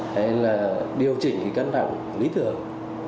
hay là điều trị cân đẳng lý thường